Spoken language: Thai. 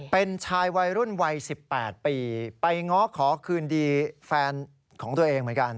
เป็นชายวัยรุ่นวัย๑๘ปีไปง้อขอคืนดีแฟนของตัวเองเหมือนกัน